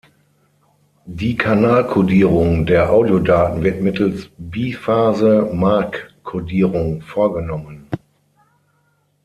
Die Kanalkodierung der Audiodaten wird mittels Biphase-Mark-Kodierung vorgenommen.